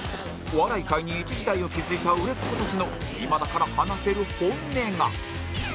お笑い界に一時代を築いた売れっ子たちの今だから話せる本音が